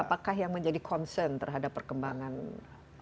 apakah yang menjadi concern terhadap perkembangan